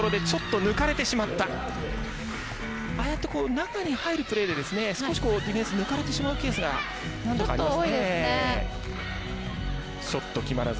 中に入るプレーで少し、ディフェンス抜かれてしまうケースがあります。